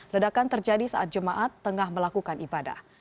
ledakan terjadi saat jemaat tengah melakukan ibadah